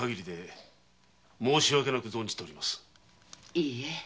いいえ。